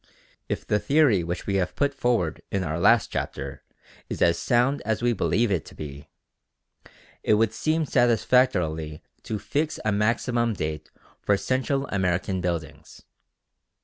If the theory which we have put forward in our last chapter is as sound as we believe it to be, it would seem satisfactorily to fix a maximum date for Central American buildings.